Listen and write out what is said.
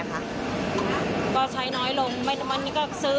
ก็ใช้น้อยลง